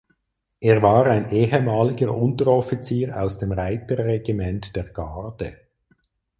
Er war ein ehemaliger Unteroffizier aus dem Reiterregiment der Garde.